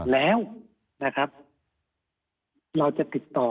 แล้วนะครับเราจะติดต่อ